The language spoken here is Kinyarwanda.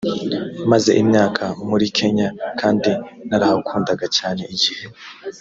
maze imyaka muri kenya kandi narahakundaga cyane igihe